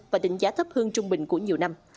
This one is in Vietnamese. và tính giá thấp hơn trung bình của nhiều năm